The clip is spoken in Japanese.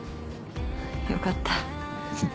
よかった。